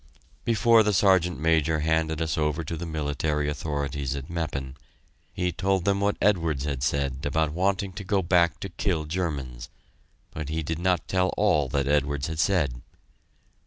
Before the Sergeant Major handed us over to the military authorities at Meppen, he told them what Edwards had said about wanting to go back to kill Germans, but he did not tell all that Edwards had said.